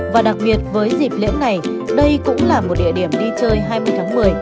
và đặc biệt với dịp lễ này đây cũng là một địa điểm đi chơi hai mươi tháng một mươi